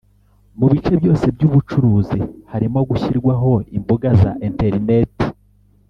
mu bice byose by’ubucuruzi - harimo gushyirwaho imbuga za interineti